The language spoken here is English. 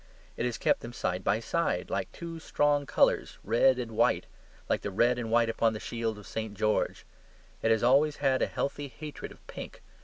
It has kept them side by side like two strong colours, red and white, like the red and white upon the shield of St. George. It has always had a healthy hatred of pink.